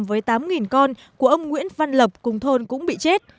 với tám con của ông nguyễn văn lập cùng thôn cũng bị chết